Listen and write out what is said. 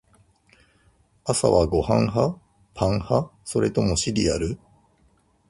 朝はご飯派？パン派？それともシリアル？